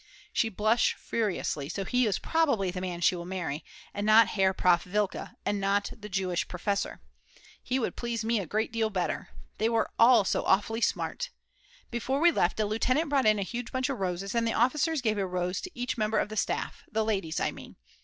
She blushed furiously; so he is probably the man she will marry, and not Herr Prof. Wilke and not the Jewish professor. He would please me a great deal better. They were all so awfully smart! Before we left a lieutenant brought in a huge bunch of roses, and the officers gave a rose to each member of the staff, the ladies I mean.